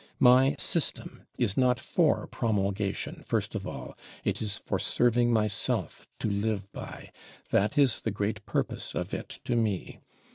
My 'system' is not for promulgation first of all; it is for serving myself to live by. That is the great purpose of it to me.